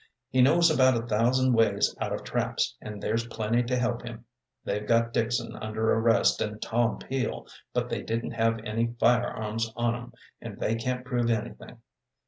He knows about a thousand ways out of traps, and there's plenty to help him. They've got Dixon under arrest, and Tom Peel; but they didn't have any fire arms on 'em, and they can't prove anything.